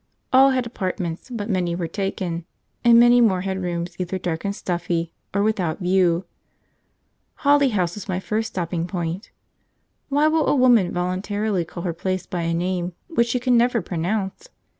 All had apartments, but many were taken, and many more had rooms either dark and stuffy or without view. Holly House was my first stopping place. Why will a woman voluntarily call her place by a name which she can never pronounce?